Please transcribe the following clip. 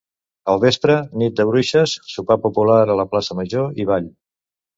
Al vespre, Nit de Bruixes: sopar popular a la plaça Major i ball.